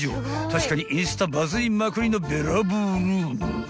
［確かにインスタバズりまくりのべらぼうルーム］